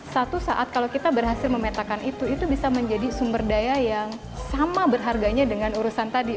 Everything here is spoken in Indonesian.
satu saat kalau kita berhasil memetakan itu itu bisa menjadi sumber daya yang sama berharganya dengan urusan tadi